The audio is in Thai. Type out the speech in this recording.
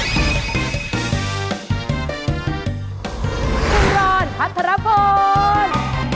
สวัสดีค่ะสวัสดีครับผม